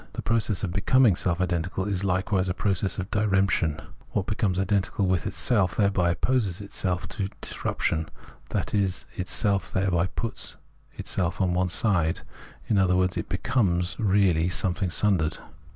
The process of becoming self identical is likewise a process of diremption ; what becomes identical with itself thereby opposes itself to Understanding 159 disruption, that is, itself thereby puts itself on one side ; in other words, it becomes really something sundered.